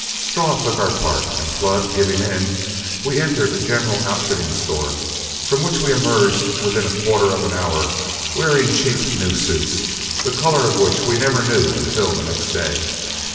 Straw took our part, and Flood giving in, we entered a general outfitting store, from which we emerged within a quarter of an hour, wearing cheap new suits, the color of which we never knew until the next day.